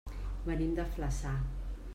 Venim de Flaçà.